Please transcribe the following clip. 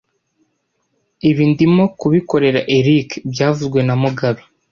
Ibi ndimo kubikorera Eric byavuzwe na mugabe